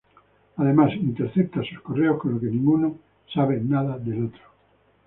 Además, intercepta sus correos, con lo que ninguno sabe nada del otro.